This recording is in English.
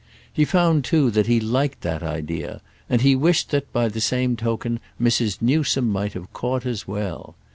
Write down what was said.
He found too that he liked that idea, and he wished that, by the same token, Mrs. Newsome might have caught as well.